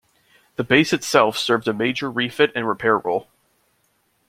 The base itself served a major refit and repair role.